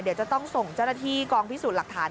เดี๋ยวจะต้องส่งเจ้าหน้าที่กองพิสูจน์หลักฐาน